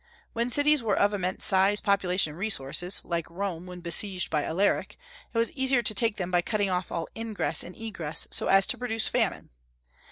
When cities were of immense size, population, and resources, like Rome when besieged by Alaric, it was easier to take them by cutting off all ingress and egress, so as to produce famine.